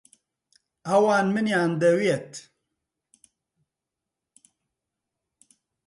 ئەوان منیان دەوێت.